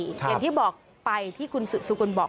อย่างที่บอกไปที่คุณสุกลบอก